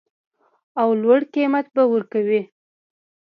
او لوړ قیمت به ورکوي